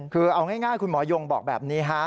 คือเอาง่ายคุณหมอยงบอกแบบนี้ฮะ